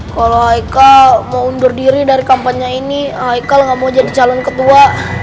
kalau aika mau undur diri dari kampanye ini aikal nggak mau jadi calon ketua